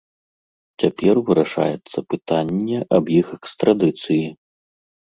Цяпер вырашаецца пытанне аб іх экстрадыцыі.